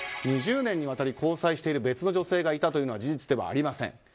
２０年にわたり交際している女性がいたというのは事実ではありません。